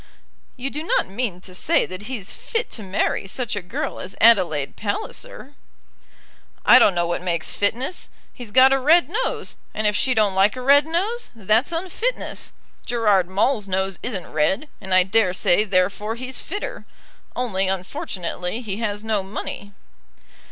"You do not mean to say that he's fit to marry such a girl as Adelaide Palliser?" "I don't know what makes fitness. He's got a red nose, and if she don't like a red nose, that's unfitness. Gerard Maule's nose isn't red, and I dare say therefore he's fitter. Only, unfortunately, he has no money."